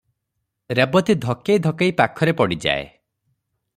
ରେବତୀ ଧକେଇ ଧକେଇ ପାଖରେ ପଡ଼ିଯାଏ ।